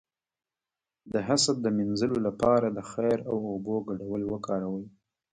د حسد د مینځلو لپاره د خیر او اوبو ګډول وکاروئ